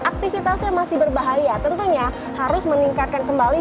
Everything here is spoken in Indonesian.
aktivitasnya masih berbahaya tentunya harus meningkatkan kembali